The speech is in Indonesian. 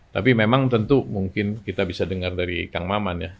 tapi memang tentu mungkin kita bisa dengar dari kang maman ya